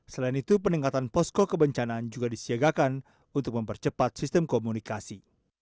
selain itu peningkatan posko kebencanaan juga disiagakan untuk mempercepat sistem komunikasi